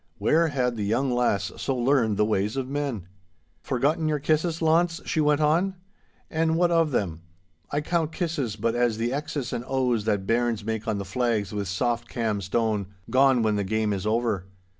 Where had the young lass so learned the ways of men? 'Forgotten your kisses, Launce?' she went on. 'And what of them? I count kisses but as the X's and O's that bairns make on the flags with soft cam stone—gone when the game is over.